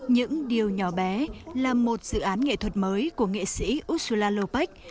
những điều nhỏ bé là một dự án nghệ thuật mới của nghệ sĩ ursula lopek